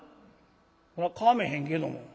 「そらかめへんけども。